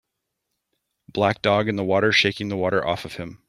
Black dog in the water shaking the water off of him.